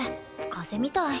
風邪みたい。